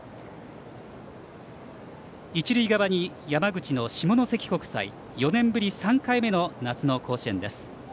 一塁側に山口の下関国際４年ぶり３回目の夏の甲子園です。